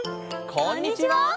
こんにちは！